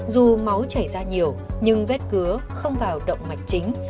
dù máu chảy ra nhiều nhưng vết cứa không vào động mạch chính